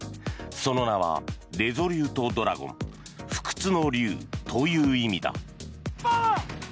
その名はレゾリュート・ドラゴン不屈の竜という意味だ。